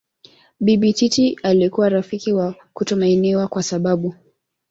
Bibi Titi alikuwa rafiki wa kutumainiwa kwa sababu